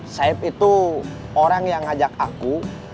saib itu orang yang ngajak aku